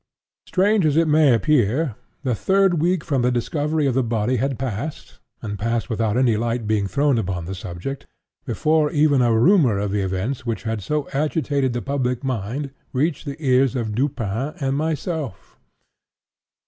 Strange as it may appear, the third week from the discovery of the body had passed, and passed without any light being thrown upon the subject, before even a rumor of the events which had so agitated the public mind, reached the ears of Dupin and myself.